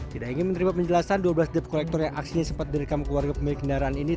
tidak ingin menerima penjelasan dua belas dep kolektor yang aksinya sempat direkam keluarga pemilik kendaraan ini